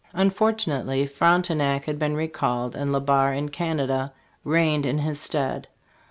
Unfortunately, Frontenac had been recalled and Le Barre in Canada "reigned in his stead."